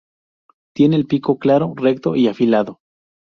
Tiene el pico claro, recto y afilado.